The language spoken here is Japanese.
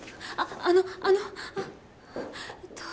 あのあのあっえっと